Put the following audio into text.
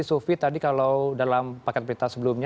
sufi tadi kalau dalam paket berita sebelumnya